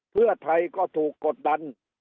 เพื่อไทยก็ถูกกดดัน